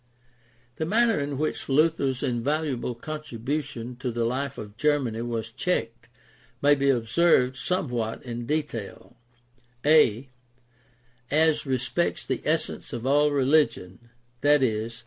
The manner in which Luther's invaluable contribution to the life of Germany was checked may be observed somewhat in detail: a) As respects the essence of all religion, i.e.